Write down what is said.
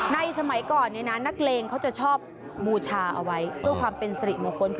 ในสมัยก่อนเนี่ยนะนักเลงเขาจะชอบบูชาเอาไว้ด้วยความเป็นสริมงคล